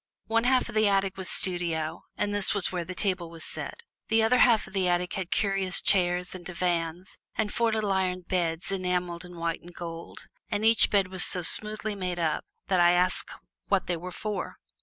One half of the attic was studio, and this was where the table was set. The other half of the attic had curious chairs and divans and four little iron beds enameled in white and gold, and each bed was so smoothly made up that I asked what they were for.